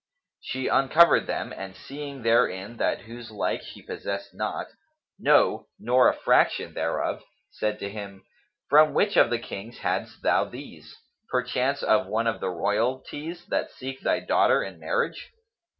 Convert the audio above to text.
She uncovered them and seeing therein that whose like she possessed not; no, nor a fraction thereof, said to him, "From which of the Kings hadst thou these?: perchance of one of the royalties that seek thy daughter in marriage?"